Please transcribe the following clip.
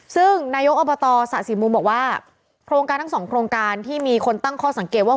ซึ่งนายกอบตสะสี่มุมบอกว่าโครงการทั้งสองโครงการที่มีคนตั้งข้อสังเกตว่า